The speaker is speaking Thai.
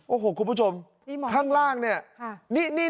โอ้โหคุณผู้ชมข้างล่างเนี่ย